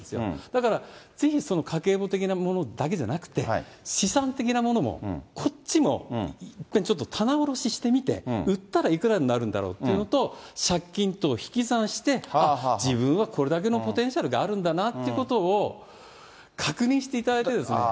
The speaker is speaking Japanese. だから、ぜひその家計簿的なものだけじゃなくて資産的なものも、こっちもいっぺんちょっと、棚卸ししてみて、売ったらいくらになるんだろうというのと、借金と引き算して、自分はこれだけのポテンシャルがあるんだなっていうことを確認していただいてですね。